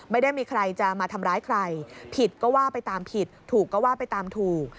ไม่ได้มีใครจะมาทำร้ายใครผิดก็ว่าไปตามผิดถูกก็ว่าไปตามถูก